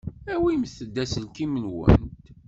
Awimt-d aselkim-nwent.